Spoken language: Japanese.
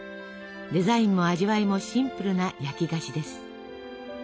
デザインも味わいもシンプルな焼き菓子です。